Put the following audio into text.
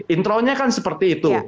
intronya kan seperti itu